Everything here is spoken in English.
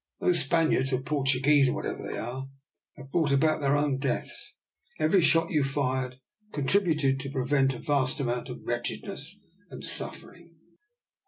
Those Spaniards, or Portuguese, or whatever they are, have brought about their own deaths. Every shot you fired contributed to prevent a vast amount of wretchedness and suffering."